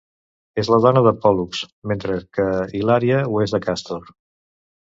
És la dona de Pòl·lux, mentre que Hilària ho és de Càstor.